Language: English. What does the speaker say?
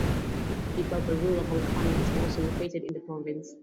Imbabura Volcano is also located in the province.